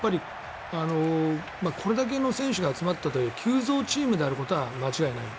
これだけの選手が集まったといえども急造チームであることは間違いない。